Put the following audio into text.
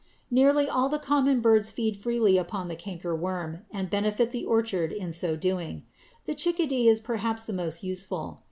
Nearly all the common birds feed freely upon the cankerworm, and benefit the orchard in so doing. The chickadee is perhaps the most useful.